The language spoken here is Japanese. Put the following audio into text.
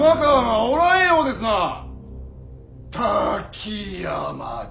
滝山殿。